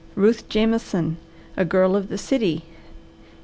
RUTH JAMESON, A Girl of the City.